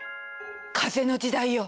風の時代よ。